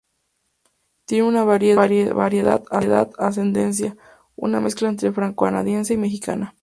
Tiene una variada ascendencia, una mezcla entre francocanadiense y mexicana.